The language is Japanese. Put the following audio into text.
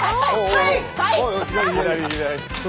はい！